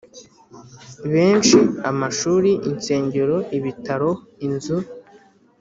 benshi amashuri insengero ibitaro inzu